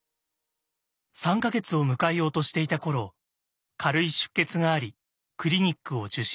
３か月を迎えようとしていた頃軽い出血がありクリニックを受診。